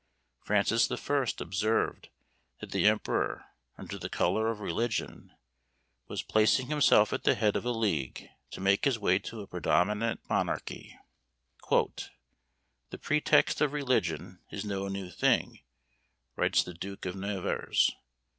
Francis the First observed that the emperor, under the colour of religion, was placing himself at the head of a league to make his way to a predominant monarchy. "The pretext of religion is no new thing," writes the Duke of Nevers.